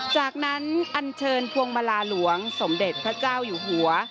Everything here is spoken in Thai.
จากนั้นอันเชิญพวงมาลาหลวงสมเด็จพระเจ้าอยู่หัว